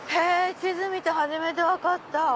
地図見て初めて分かった。